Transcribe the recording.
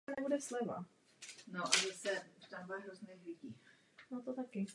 Pomůže malým a středním podnikům a pomůže evropskému vnitřnímu trhu.